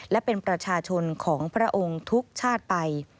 และเป็นประชาชนของพระองค์ทุกชาติไป